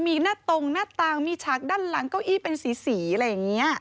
มีหน้าตรงหน้าต่างมีฉากด้านหลังเก้าอี้เป็นสีอะไรอย่างนี้